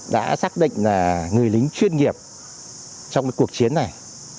đã xác định là người lính chuyên nghiệp trong cái cuộc chiến này